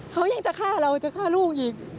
เขายังจะฆ่าเราจะฆ่าลูกอีก